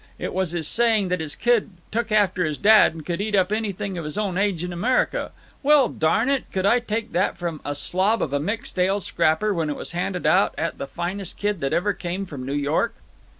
It was his saying that his kid took after his dad and could eat up anything of his own age in America. Well, darn it, could I take that from a slob of a mixed ale scrapper when it was handed out at the finest kid that ever came from New York?"